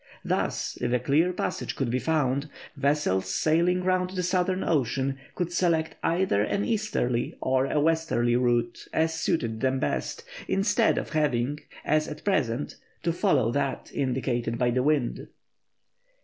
Thus, if a clear passage could be found, vessels sailing round the southern ocean could select either an easterly or a westerly route as suited them best, instead of having, as at present, to follow that indicated by the wind.